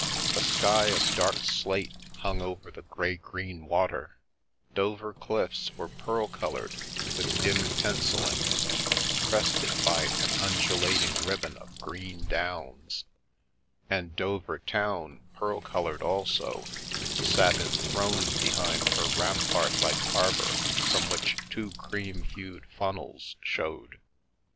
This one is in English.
A sky of dark slate hung over the grey green water; Dover cliffs were pearl coloured, with dim pencillings, crested by an undulating ribbon of green downs; and Dover town, pearl coloured also, sat enthroned behind her rampart like harbour from which two cream hued funnels showed.